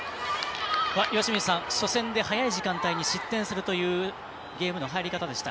岩清水さん、初戦で早い時間帯に失点するというゲームの入り方でした。